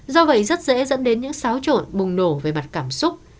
do vậy rất dễ dẫn đến những xáo trộn bùng nổ về mặt cảm xúc